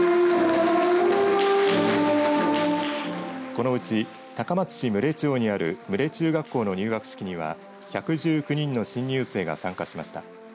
このうち高松市牟礼町にある牟礼中学校の入学式には１１９人の新入生が参加しました。